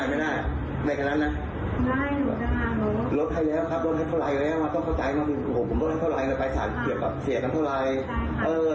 นี่หายได้เมื่อแค่สามหมื่นไม่สองหมื่น